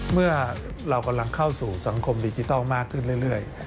เมื่อเรากำลังเข้าสู่สังคมดิจิทัลมากขึ้นเรื่อย